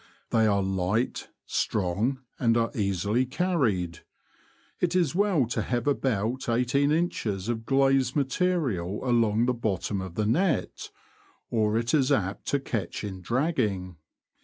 They are light, strong, and are easily carried. It is well to have about eighteen inches of glazed material along the bottom of the net, or it is apt to catch in dragging.